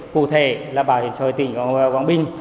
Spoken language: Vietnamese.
cụ thể là bảo hiểm xã hội tỉnh quảng bình